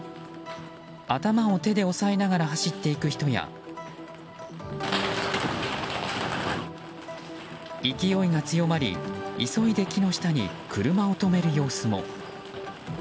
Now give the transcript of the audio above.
頭を手で押さえながら走っていく人や勢いが強まり、急いで木の下に車を止める様子も。